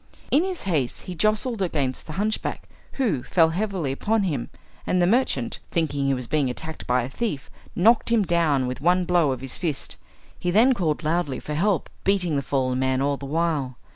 In his haste he jostled against the hunchback, who fell heavily upon him, and the merchant, thinking he was being attacked by a thief, knocked him down with one blow of his fist. He then called loudly for help, beating the fallen man all the while.